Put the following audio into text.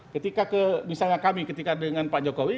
ketika misalnya kami dengan pak jokowi